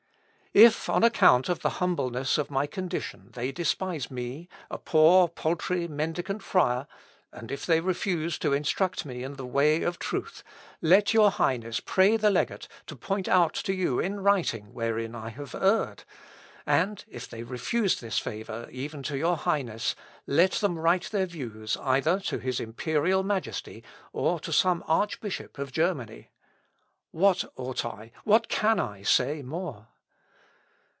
"If, on account of the humbleness of my condition, they despise me, a poor paltry mendicant friar, and if they refuse to instruct me in the way of truth, let your Highness pray the legate to point out to you in writing wherein I have erred; and, if they refuse this favour even to your Highness, let them write their views either to his Imperial Majesty, or to some Archbishop of Germany. What ought I, what can I say more?